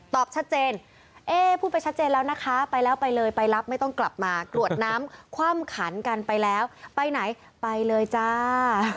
ชัดเจนเอ๊พูดไปชัดเจนแล้วนะคะไปแล้วไปเลยไปรับไม่ต้องกลับมากรวดน้ำคว่ำขันกันไปแล้วไปไหนไปเลยจ้า